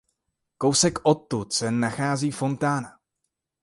Kousek odtud se nachází fontána.